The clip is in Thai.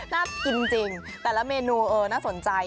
น่ากินจริงแต่ละเมนูเออน่าสนใจ